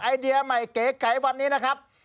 ไอเดียใหม่เก๋ไก๋วันนี้นะครับ